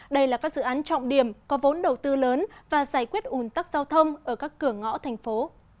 đây là các dự án trọng điểm có vốn đầu tư lớn và giải quyết ủn tắc giao thông ở các cửa ngõ thành phố